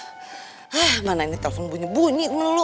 eh mana ini telpon bunyi bunyi itu melulu